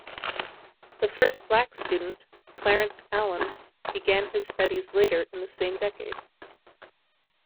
The first black student, Clarence Allen, began his studies later in the same decade.